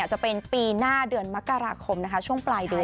จะเป็นปีหน้าเดือนมกราคมนะคะช่วงปลายเดือน